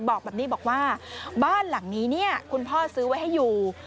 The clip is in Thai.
บอกแบบนี้บอกว่าบ้านหลังนี้เนี่ยคุณพ่อซื้อไว้ให้อยู่